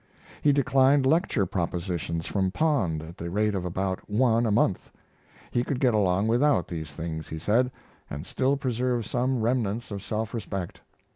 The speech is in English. He declined lecture propositions from Pond at the rate of about one a month. He could get along without these things, he said, and still preserve some remnants of self respect.